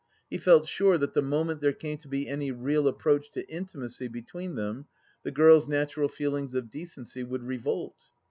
He felt sure that the moment there came to be any real approach to intimacy between them, the girl's natural feelings of decency would revolt.